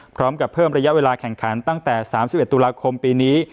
พร้อมกับเพิ่มระยะเวลาแข่งขันตั้งแต่๓๑ตุลาคมปีนี้